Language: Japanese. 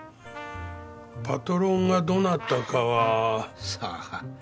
パトロンがどなたかは。さあ？